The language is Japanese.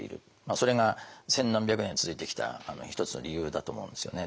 それが千何百年続いてきた一つの理由だと思うんですよね。